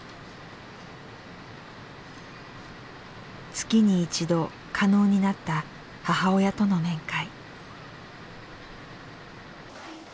月に一度、可能になった母親との面会。